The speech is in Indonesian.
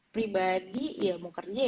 pribadi ya mau kerja